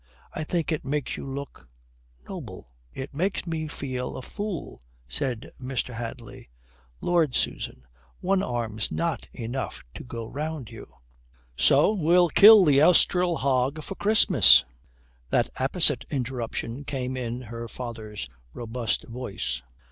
I think it makes you look noble." "It makes me feel a fool," said Mr. Hadley. "Lord, Susan, one arm's not enough to go round you." "So we'll kill the Elstree hog for Christmas;" that apposite interruption came in her father's robust voice.